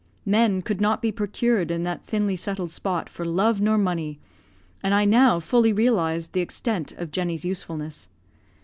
Men could not be procured in that thinly settled spot for love nor money, and I now fully realised the extent of Jenny's usefulness.